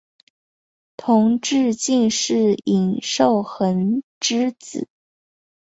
同治进士尹寿衡之子。